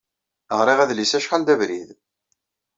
Ɣriɣ adlis-a acḥal d abrid.